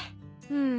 うん。